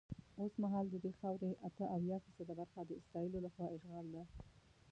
اوسمهال ددې خاورې اته اویا فیصده برخه د اسرائیلو له خوا اشغال ده.